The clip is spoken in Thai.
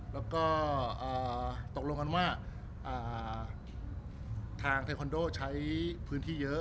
แล้วก็ตกลงกันว่าทางเทคอนโดใช้พื้นที่เยอะ